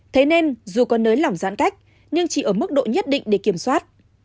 thế nên dù có nới lỏng giãn cách nhưng chỉ ở mức độ nhất định để kiểm soát